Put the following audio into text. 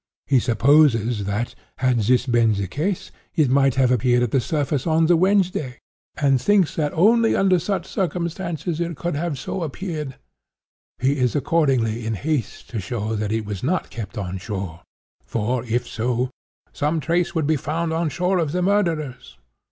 He supposes that, had this been the case, it might have appeared at the surface on the Wednesday, and thinks that only under such circumstances it could so have appeared. He is accordingly in haste to show that it was not kept on shore; for, if so, 'some trace would be found on shore of the murderers.